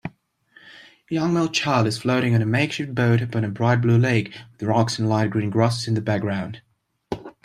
A young male child is floating on a makeshift boat upon a bright blue lake with rocks and light green grasses in the background